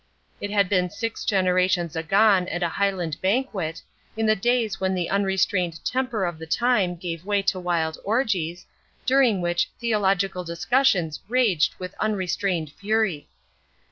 It had been six generations agone at a Highland banquet, in the days when the unrestrained temper of the time gave way to wild orgies, during which theological discussions raged with unrestrained fury.